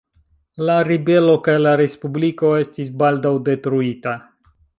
La ribelo kaj la respubliko estis baldaŭ detruita.